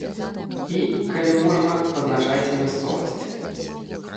І, калі можна, пазначайце мясцовасць.